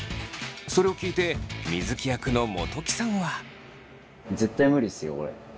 それを聞いて水城役の元木さんは。